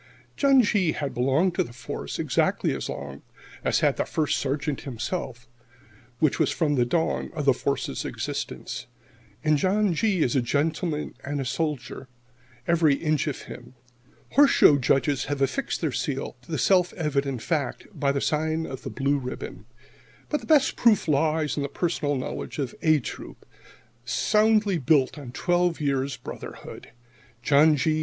John G. had belonged to the Force exactly as long as had the First Sergeant himself, which was from the dawn of the Force's existence. And John G. is a gentleman and a soldier, every inch of him. Horse show judges have affixed their seal to the self evident fact by the sign of the blue ribbon,[70 1] but the best proof lies in the personal knowledge of "A" Troop, soundly built on twelve years' brotherhood. John G.